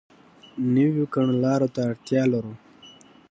نویو کړنلارو ته اړتیا لرو.